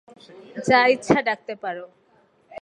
যা ইচ্ছা ডাকতে পারো।